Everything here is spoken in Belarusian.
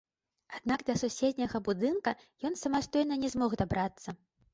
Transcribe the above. Аднак да суседняга будынка ён самастойна не змог дабрацца.